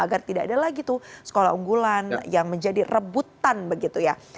agar tidak ada lagi tuh sekolah unggulan yang menjadi rebutan begitu ya